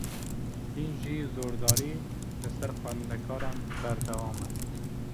Hîn jî zordarî, li ser xwendekaran berdewame